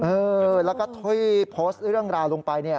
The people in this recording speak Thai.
เออแล้วก็โพสต์เรื่องราวลงไป